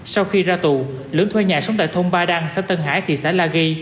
sau khi ra tù lưỡng thuê nhà sống tại thôn ba đăng xã tân hải thị xã la ghi